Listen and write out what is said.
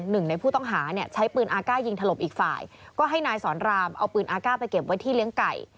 หนึ่งในผู้ต้องหาเนี่ยใช้ปืนอาก้ายิงถล่มอีกฝ่ายก็ให้นายสอนรามเอาปืนอาก้าไปเก็บไว้ที่เลี้ยงไก่